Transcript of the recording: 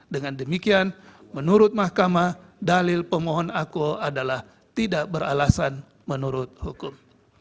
dengan demikian menurut mahkamah dalil pemohon akul adalah tidak beralasan menurut hukum